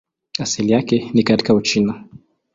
Asili yake ni katika Uchina.